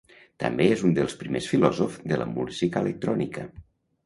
També és un dels primers filòsofs de la música electrònica.